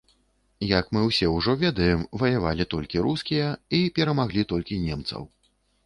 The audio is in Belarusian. Як мы ўсе ўжо ведаем, ваявалі толькі рускія, і перамаглі толькі немцаў.